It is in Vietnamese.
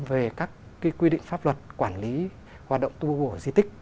về các quy định pháp luật quản lý hoạt động tu bổ di tích